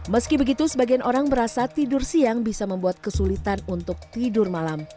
meski begitu sebagian orang merasa tidur siang bisa membuat kesulitan untuk tidur malam